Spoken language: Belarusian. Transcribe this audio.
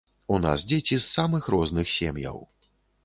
У нас дзеці з самых розных сем'яў.